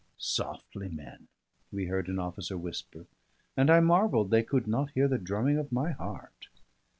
"Softly, men," we heard an officer whisper; and I marvelled they could not hear the drumming of my heart.